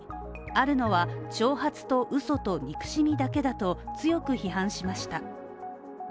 あるのは挑発と嘘と憎しみだけだと強く批判しました。